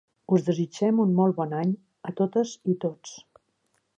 Us desitgem un molt bon any a totes i tots.